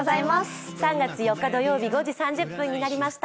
３月４日土曜日、５時３０分になりました。